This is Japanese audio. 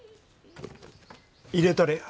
入れたれや。